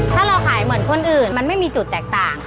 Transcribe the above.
ถ้าเราขายเหมือนคนอื่นมันไม่มีจุดแตกต่าง